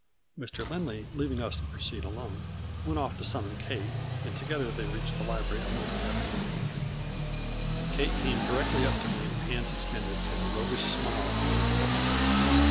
Mr. Lindley leaving us to proceed alone, went off to summon Kate, and together they reached the library a moment after we had entered. Kate came directly up to me with hands extended and a roguish smile upon her face.